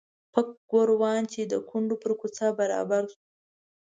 پک ګوروان چې د کونډو پر کوڅه برابر شو.